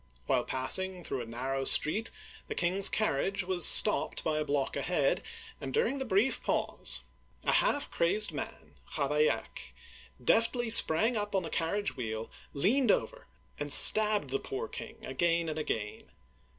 While passing through a narrow street, the king's carriage was stopped by a block ahead, and during the brief pause a half crazed man (Ravaillac) deftly sprang up on the carriage wheel, leaned over, and stabbed the poor king again and again.